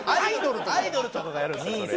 アイドルとかがやるんですよ。